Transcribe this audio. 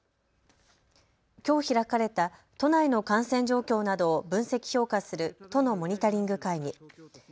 きょう開かれた都内の感染状況などを分析・評価する都のモニタリング会議。